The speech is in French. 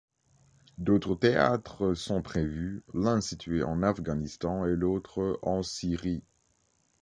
D'autres théâtres sont prévus, l'un situé en Afghanistan et l'autre en Syrie.